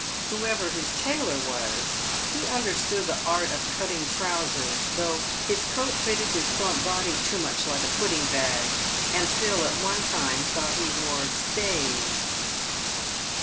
Whoever his tailor was, he understood the art of cutting trousers, though his coat fitted his plump body too much like a pud ding bag, and Phil at one time thought he wore stays.